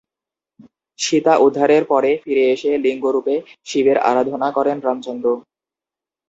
সীতা উদ্ধারের পরে ফিরে এসে, লিঙ্গ রূপে শিবের আরাধনা করেন রামচন্দ্র।